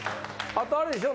あとあれでしょ。